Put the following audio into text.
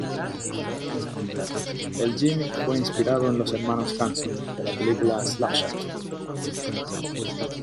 El gimmick fue inspirado en los Hermanos Hanson, de la película Slap Shot.